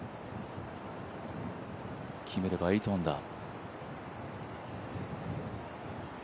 決めれば８アンダー。